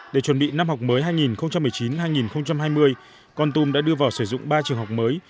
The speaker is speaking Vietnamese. để chuẩn bị năm học mới hai nghìn một mươi chín hai nghìn hai mươi con tum đã đưa vào sử dụng ba trường học mới